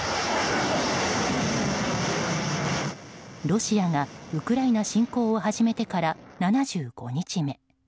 ロシアがウクライナ侵攻を始めてから７５日目。